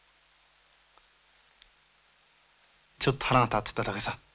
ちょっと腹が立ってただけさ。